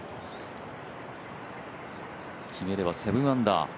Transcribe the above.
決めれば７アンダー。